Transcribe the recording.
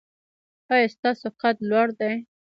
ایا ستاسو قد لوړ دی؟